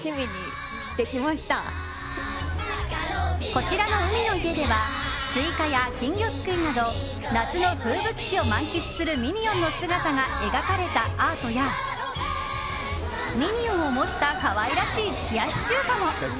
こちらの海の家ではスイカや金魚すくいなど夏の風物詩を満喫するミニオンの姿が描かれたアートやミニオンを模した可愛らしい冷やし中華も。